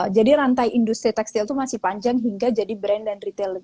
rantai industri tekstil itu masih panjang hingga jadi brand dan retail